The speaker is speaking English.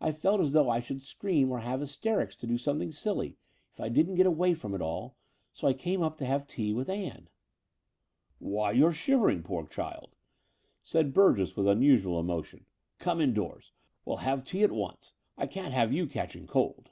I felt as though I should scream or have hysterics or do something silly, if I didn't get away from it all; so I came up to have tea with Ann." "Why, you're shivering, poor child," said Burgess with unusual emotion. "Come indoors: we'll have tea at once. I can't have you catching cold."